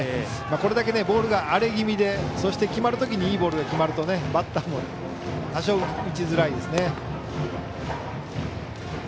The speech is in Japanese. これだけボールが荒れ気味でそして、決まる時にいいボールが決まるとバッターも打ちづらいですね。